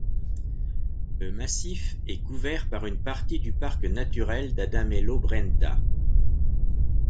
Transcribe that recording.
Le massif est couvert par une partie du parc naturel d'Adamello-Brenta.